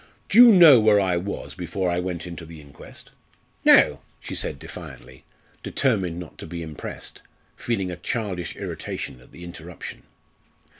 "Do you know where I was before I went into the inquest?" "No," she said defiantly, determined not to be impressed, feeling a childish irritation at the interruption.